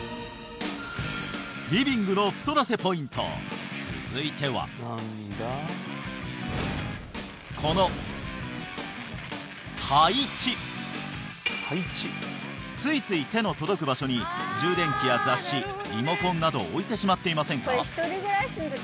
リビングの太らせポイント続いてはこの配置ついつい手の届く場所に充電器や雑誌リモコンなどを置いてしまっていませんか？